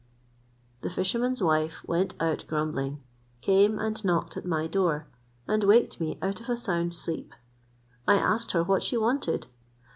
The fisherman's wife went out grumbling, came and knocked at my door, and waked me out of a sound sleep. I asked her what she wanted.